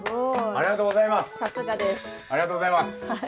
ありがとうございます。